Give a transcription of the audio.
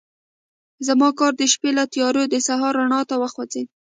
زما کار د شپې له تیارو د سهار رڼا ته وغځېد.